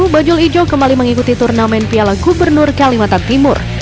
bajul ijo kembali mengikuti turnamen piala gubernur kalimantan timur